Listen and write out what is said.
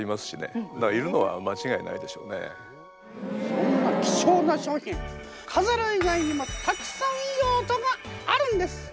そんな貴重な商品かざる以外にもたくさん用途があるんです！